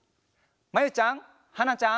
まゆちゃんはなちゃん。